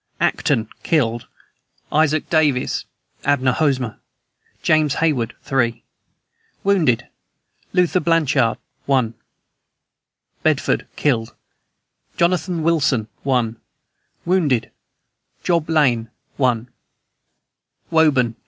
ACTON. Killed: Isaac Davis, Abner Hosmer, James Hayward, 3. Wounded: Luther Blanchard, 1. BEDFORD. Killed: Jonathan Wilson, 1. Wounded: Job Lane, 1. WOBURN.